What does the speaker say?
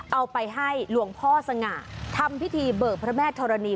เอาไปให้หลวงพ่อสง่าทำพิธีเบิกพระแม่ธรณี